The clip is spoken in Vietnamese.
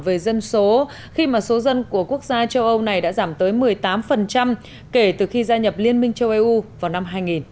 về dân số khi mà số dân của quốc gia châu âu này đã giảm tới một mươi tám kể từ khi gia nhập liên minh châu âu vào năm hai nghìn